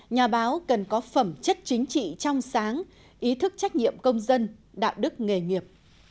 nhà báo cần có phẩm chất chính trị trong sáng ý thức trách nhiệm công dân đạo đức nghề nghiệp